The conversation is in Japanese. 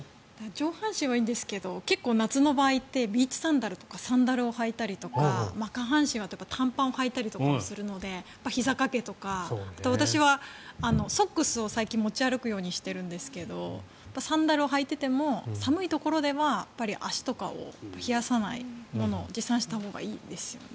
上半身はいいんですけど結構、夏の場合ってサンダルを履いたりとか下半身は短パンをはいたりとかするのでひざ掛けとかあと私はソックスを最近持ち歩くようにしているんですがサンダルを履いていても寒いところでは足とかを冷やさないものを持参したほうがいいですよね。